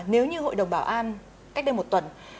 nếu như hội đồng bảo an cách đây một tuần